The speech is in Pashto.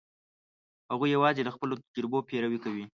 هغوی یواځې له خپلو تجربو پیروي کوي.